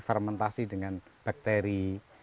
fermentasi dengan bakteri